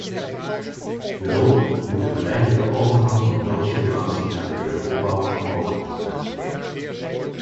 De hulp moet de geleidelijke overgang van de noodsituatie naar de wederopbouw mogelijk maken.